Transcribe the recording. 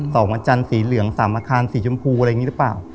อาจารย์สีเหลืองสามอาคารสีชมพูอะไรอย่างนี้หรือเปล่า